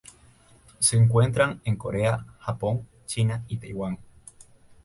Se encuentra en Corea, Japón, China y Taiwán.